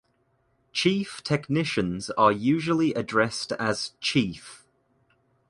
Chief technicians are usually addressed as "Chief".